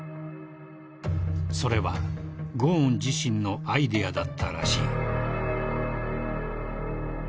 ［それはゴーン自身のアイデアだったらしい］